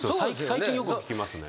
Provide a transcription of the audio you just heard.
最近よく聞きますね。